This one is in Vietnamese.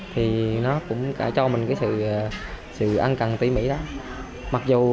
thì nó cũng cho mình cái sự ân cần tỉ mỉ đó